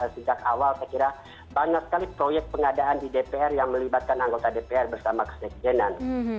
sejak awal saya kira banyak sekali proyek pengadaan di dpr yang melibatkan anggota dpr bersama kesekjenan